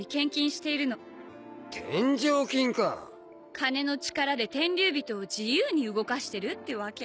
金の力で天竜人を自由に動かしてるってわけ。